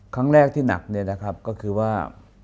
ครั้งแรกที่หนักเนี่ยนะครับก็คือว่า